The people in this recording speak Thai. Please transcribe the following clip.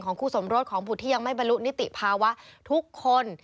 คู่สมรสของบุตรที่ยังไม่บรรลุนิติภาวะทุกคน